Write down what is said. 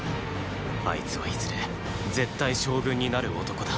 あいつはいずれ絶対将軍になる男だ。